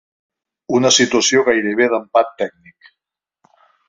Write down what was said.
Una situació gairebé d’empat tècnic.